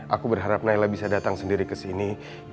aku berharap naila bisa datang sendiri ke sini